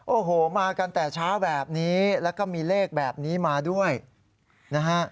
โอ้โหมากันแต่เช้าแบบนี้แล้วก็มีเลขแบบนี้มาด้วยนะฮะ